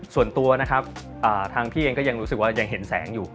ส่วนตัวนะครับทางพี่เองก็ยังรู้สึกว่ายังเห็นแสงอยู่